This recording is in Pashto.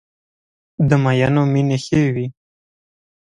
د مینو مینې ښې وې.